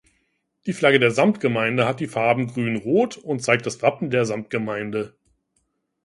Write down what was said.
Die Flagge der Samtgemeinde hat die Farben grün-rot und zeigt das Wappen der Samtgemeinde.